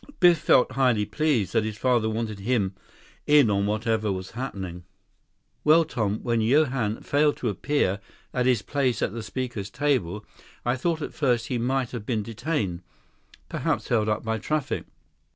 Biff felt highly pleased that his father wanted him in on whatever was happening. "Well, Tom, when Johann failed to appear at his place at the speakers' table, I thought at first he might have been detained, perhaps held up by traffic.